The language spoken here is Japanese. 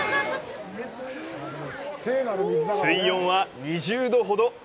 水温は２０度ほど！